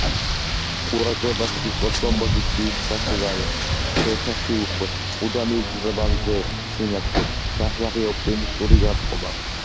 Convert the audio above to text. ყურადღებას იპყრობს კომპოზიციის სისადავე, ფერთა სიუხვე, მუდამ იგრძნობა მზე, სინათლე, ჯანსაღი ოპტიმისტური განწყობა.